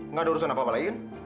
nggak ada urusan apa apa lain